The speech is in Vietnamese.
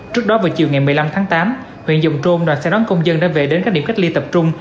trước đó vào chiều ngày một mươi năm tháng tám huyện dòng trôm đoàn xe đón công dân đã về đến các điểm cách ly tập trung